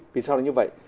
vì sao là như vậy